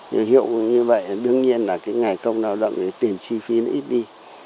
nhiều hiệu như vậy đương nhiên là cái ngày công lao động thì tiền chi phí nó ít đi